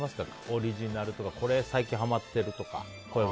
オリジナルとかこれハマってるとか。